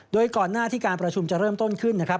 โดยก่อนหน้าที่การประชุมจะเริ่มต้นขึ้นนะครับ